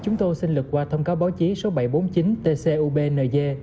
chúng tôi xin lực qua thông cáo báo chí số bảy trăm bốn mươi chín tcub ng